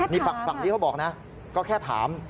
นี่ฝั่งนี้เขาบอกนะก็แค่ถาม